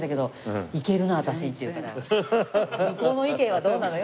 向こうの意見はどうなのよ？